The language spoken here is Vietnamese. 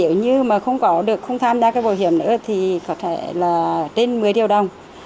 nếu như mà không có được không tham gia cái bảo hiểm nữa thì có thể là trên một mươi triệu đồng